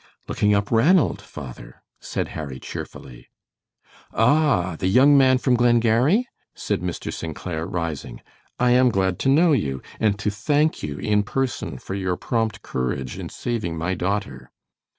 "Looking up Ranald, father," said Harry, cheerfully. "Ah, the young man from Glengarry?" said Mr. St. Clair, rising. "I am glad to know you, and to thank you in person for your prompt courage in saving my daughter."